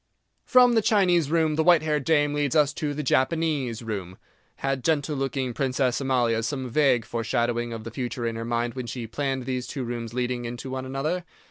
From the Chinese Room the white haired dame leads us to the Japanese Room. Had gentle looking Princess Amalia some vague foreshadowing of the future in her mind when she planned these two rooms leading into one another?